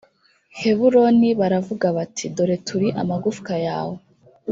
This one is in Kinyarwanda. heburoni baravuga bati dore turi amagufwa yawe